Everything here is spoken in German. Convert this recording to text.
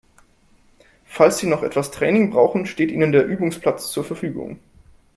Falls Sie noch etwas Training brauchen, steht Ihnen der Übungsplatz zur Verfügung.